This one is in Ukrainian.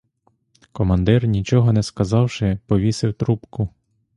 Командир, нічого не сказавши, повісив трубку.